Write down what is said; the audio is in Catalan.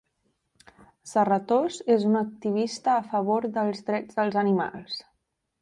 Serratos és un activista a favor dels drets dels animals.